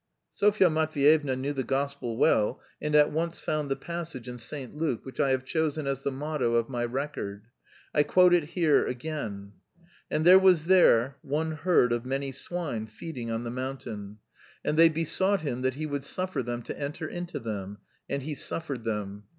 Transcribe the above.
Sofya Matveyevna knew the gospel well and at once found the passage in St. Luke which I have chosen as the motto of my record. I quote it here again: "'And there was there one herd of many swine feeding on the mountain; and they besought him that he would suffer them to enter into them. And he suffered them.